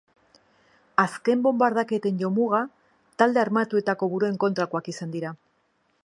Azken bonbardaketen jomuga talde armatuetako buruen kontrakoak izan dira.